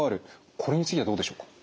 これについてはどうでしょうか？